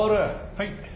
はい。